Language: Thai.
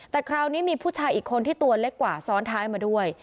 แต่คราวนี้มีผู้ชายอีกคนที่ตัวเล็กกว่าซ้อนท้ายมาด้วย